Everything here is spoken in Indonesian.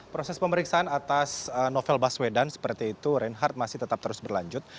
proses pemeriksaan atas novel baswedan seperti itu reinhard masih tetap terus berlanjut